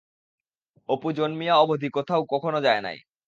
অপু জন্মিয়া অবধি কোথাও কখনও যায় নাই।